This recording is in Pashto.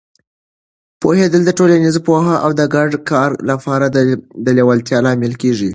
پوهېدل د ټولنیزې پوهې او د ګډ کار لپاره د لیوالتیا لامل کېږي.